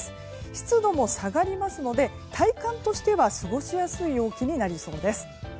湿度も下がりますので体感としては過ごしやすい陽気になりそうです。